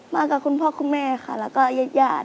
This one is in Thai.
มากับคุณพ่อคุณแม่ค่ะ